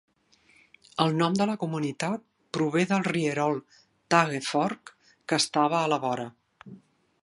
El nom de la comunitat prové del rierol Tague Fork, que estava a la vora.